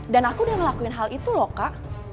dan aku udah ngelakuin hal itu loh kak